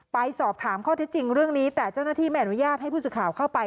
ไปสอบถามข้อเท็จจริงเรื่องนี้แต่เจ้าหน้าที่ไม่อนุญาตให้ผู้สื่อข่าวเข้าไป